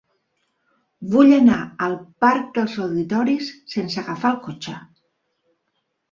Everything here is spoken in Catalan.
Vull anar al parc dels Auditoris sense agafar el cotxe.